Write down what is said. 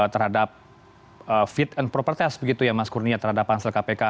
terhadap fit and proper test begitu ya mas kurnia terhadap pansel kpk